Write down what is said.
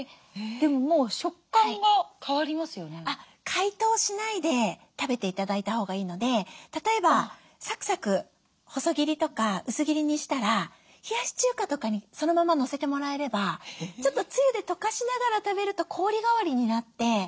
解凍しないで食べて頂いたほうがいいので例えばサクサク細切りとか薄切りにしたら冷やし中華とかにそのままのせてもらえればちょっとつゆでとかしながら食べると氷代わりになって。